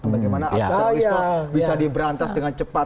bagaimana terorisme bisa diberantas dengan cepat